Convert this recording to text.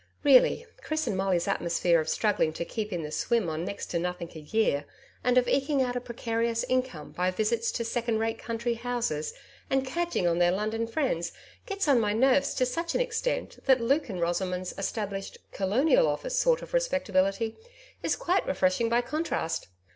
Really, Chris and Molly's atmosphere of struggling to keep in the swim on next to nothing a year and of eking out a precarious income by visits to second rate country houses and cadging on their London friends gets on my nerves to such an extent that Luke and Rosamond's established "Colonial Office" sort of respectability is quite refreshing by contrast.